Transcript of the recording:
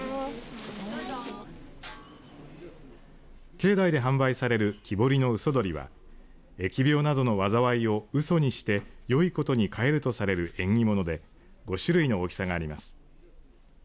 境内で販売される木彫りの鷽鳥は疫病などの災いをうそにしてよいことに変えるとされる縁起物で５種類の大きさがあります。